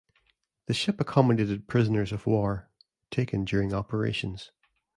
The ship accommodated prisoners of war taken during operations.